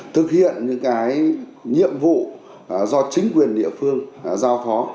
thực hiện những nhiệm vụ do chính quyền địa phương giao phó